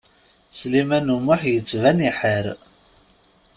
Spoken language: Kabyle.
Sliman U Muḥ yettban iḥar.